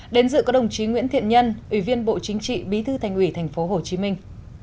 đến dự có đồng chí nguyễn thiện nhân ủy viên bộ chính trị bí thư thành ủy thành phố hồ chí minh